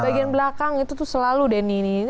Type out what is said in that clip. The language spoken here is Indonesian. bagian belakang itu tuh selalu denny